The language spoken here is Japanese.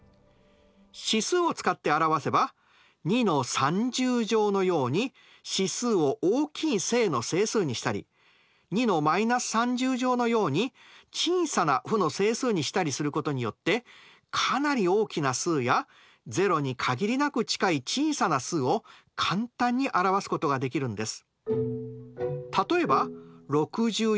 指数を使って表せば２のように指数を大きい正の整数にしたり２のように小さな負の整数にしたりすることによってかなり大きな数や０に限りなく近い小さな数を簡単に表すことができるんです。